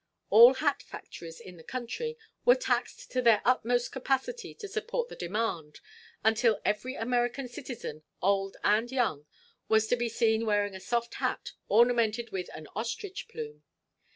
All hat factories in the country were taxed to their utmost capacity to supply the demand, until every American citizen, old and young, was to be seen wearing a soft hat ornamented with an ostrich plume.